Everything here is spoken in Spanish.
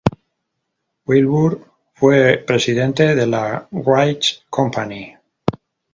Wilbur fue presidente de la Wright Company.